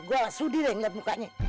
gue sudi deh ngeliat mukanya